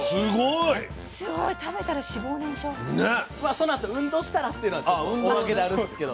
そのあと運動したらっていうのはちょっとおまけであるんですけど。